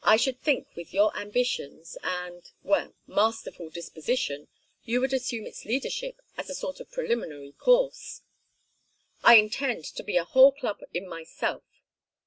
I should think with your ambitions and well masterful disposition, you would assume its leadership as a sort of preliminary course." "I intend to be a whole club in myself."